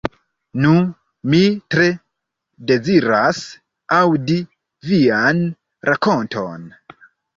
Nu, mi tre deziras aŭdi vian rakonton.